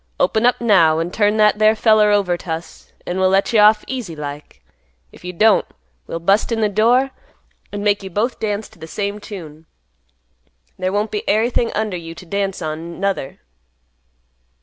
Open up, now, an' turn that there feller over t' us; an' we'll let you off easy like. If you don't, we'll bust in th' door, an' make you both dance t' th' same tune. There won't be ary thing under you t' dance on, nuther."